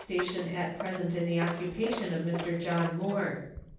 173 station at present in the occupation of Mr. John Moore.